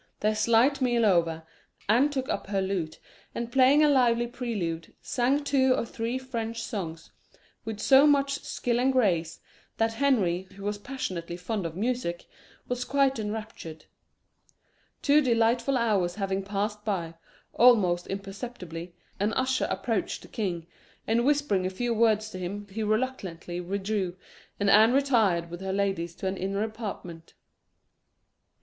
Their slight meal over, Anne took up her lute, and playing a lively prelude, sang two or three French songs with so much skill and grace, that Henry, who was passionately fond of music, was quite enraptured. Two delightful hours having passed by, almost imperceptibly, an usher approached the king, and whispering a few words to him, he reluctantly withdrew, and Anne retired with her ladies to an inner apartment.